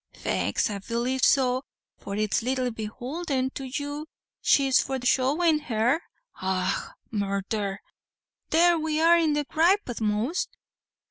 "Faix, I b'lieve so, for it's little behowlden to you she is for showin' her. Augh!! murther!!! there we are in the gripe a'most."